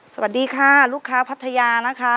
สวัสดีค่ะลูกค้าพัทยานะคะ